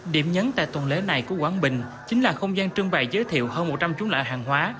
điểm nhấn tại tuần lễ này của quảng bình chính là không gian trưng bày giới thiệu hơn một trăm linh chú lợi hàng hóa